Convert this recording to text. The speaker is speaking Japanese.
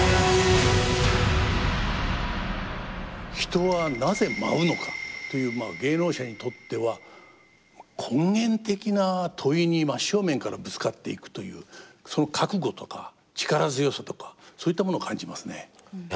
「人はなぜ舞うのか」という芸能者にとっては根源的な問いに真正面からぶつかっていくというその覚悟とか力強さとかそういったものを感じますね。